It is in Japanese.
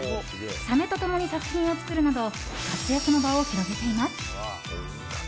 サメと共に作品を作るなど活躍の場を広げています。